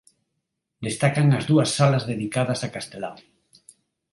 Destacan as dúas salas dedicadas a Castelao.